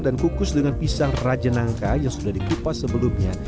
dan kukus dengan pisang rajenangka yang sudah dikupas sebelumnya